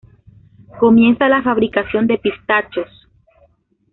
Comienza la fabricación de pistachos.